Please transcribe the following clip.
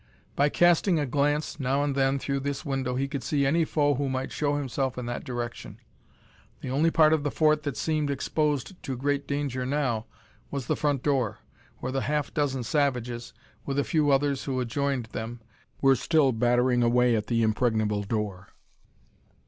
By casting a glance now and then through this window he could see any foe who might show himself in that direction. The only part of the fort that seemed exposed to great danger now was the front door, where the half dozen savages, with a few others who had joined them, were still battering away at the impregnable door.